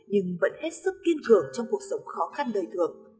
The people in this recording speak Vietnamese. nhưng vẫn hết sức kiên cường trong cuộc sống khó khăn đời thường